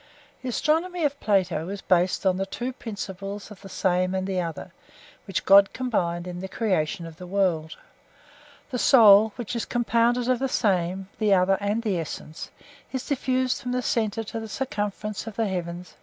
The astronomy of Plato is based on the two principles of the same and the other, which God combined in the creation of the world. The soul, which is compounded of the same, the other, and the essence, is diffused from the centre to the circumference of the heavens.